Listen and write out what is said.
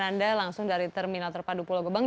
anda langsung dari terminal terpadu pulau gebang